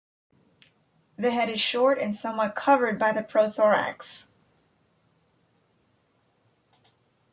The head is short and somewhat covered by the prothorax.